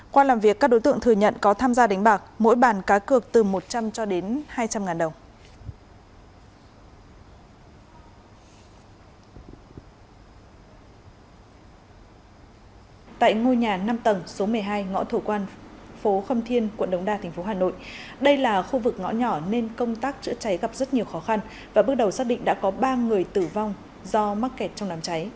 qua làm việc các đối tượng thừa nhận có tham gia đánh bạc mỗi bàn cá cược từ một trăm linh cho đến hai trăm linh ngàn đồng